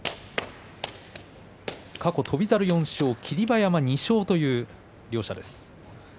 過去、翔猿、４勝、霧馬山２勝という両者です。